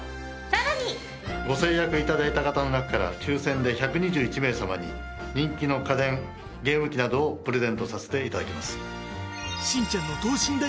ご成約頂いた方の中から抽選で１２１名様に人気の家電ゲーム機などをプレゼントさせて頂きます。